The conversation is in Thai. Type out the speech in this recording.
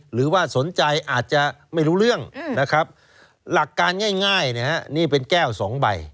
หรือว่าสนใจอาจจะไม่รู้เรื่องนะครับหลักการง่ายนี่เป็นแก้ว๒ใบ